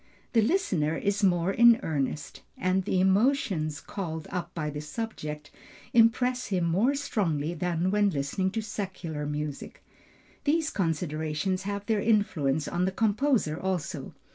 The listener is more in earnest, and the emotions called up by the subject impress him more strongly than when listening to secular music. These considerations have their influence on the composer also.